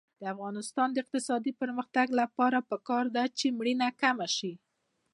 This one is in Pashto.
د افغانستان د اقتصادي پرمختګ لپاره پکار ده چې مړینه کمه شي.